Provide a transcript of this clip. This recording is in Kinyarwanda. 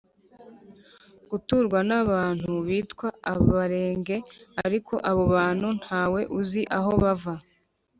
guturwa n'abantu bitwa abarenge, ariko abo bantu nta we uzi aho bava